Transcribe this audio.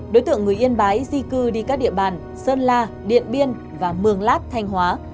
đối tượng người yên bái di cư đi các địa bàn sơn la điện biên và mường lát thanh hóa